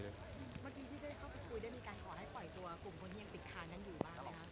เมื่อกี้ที่ได้เข้าไปคุยได้มีการขอให้ปล่อยตัวกลุ่มคนที่ยังติดค้างกันอยู่บ้างไหมคะ